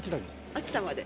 秋田まで。